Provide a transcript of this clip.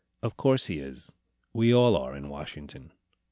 Of course he is; we all are in Washington.